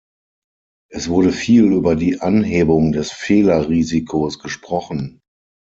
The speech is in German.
Es wurde viel über die Anhebung des Fehlerrisikos gesprochen.